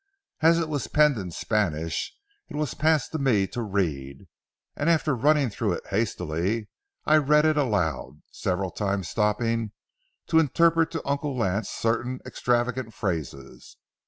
As it was penned in Spanish, it was passed to me to read, and after running through it hastily, I read it aloud, several times stopping to interpret to Uncle Lance certain extravagant phrases.